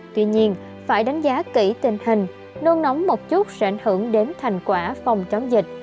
tuy nhiên phải đánh giá kỹ tình hình nôn nóng một chút sẽ ảnh hưởng đến thành quả phòng chống dịch